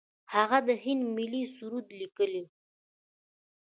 هغه د هند ملي سرود لیکلی.